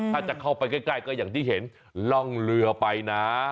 ถ้าจะเข้าไปใกล้ก็อย่างที่เห็นล่องเรือไปนะ